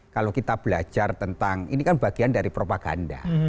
kalau kita belajar tentang ini kan bagian dari propaganda